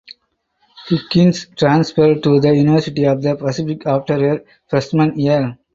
Higgins transferred to the University of the Pacific after her freshman year.